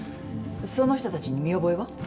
その人たちに見覚えは？